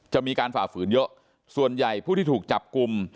ฝ่าฝืนเยอะส่วนใหญ่ผู้ที่ถูกจับกลุ่ม